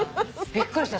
びっくりした。